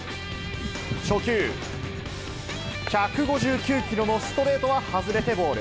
初球、１５９キロのストレートは外れてボール。